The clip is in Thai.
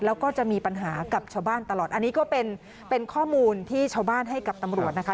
แล้วก็จะมีปัญหากับชาวบ้านตลอดอันนี้ก็เป็นเป็นข้อมูลที่ชาวบ้านให้กับตำรวจนะคะ